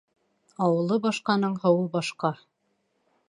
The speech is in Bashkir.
Ауылы башҡаның һыуы башҡа.